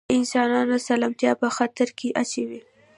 د انسانانو سلامتیا په خطر کې اچوي.